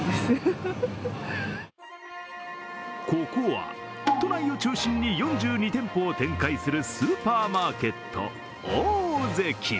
ここは都内を中心に４２店舗を展開するスーパーマーケット・オオゼキ。